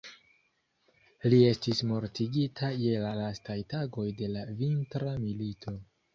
Li estis mortigita je la lastaj tagoj de la Vintra milito.